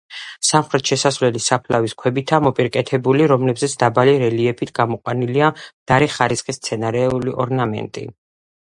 სამხრეთი შესასვლელი საფლავის ქვებითაა მოპირკეთებული, რომლებზეც დაბალი რელიეფით გამოყვანილია მდარე ხარისხის მცენარეული ორნამენტი.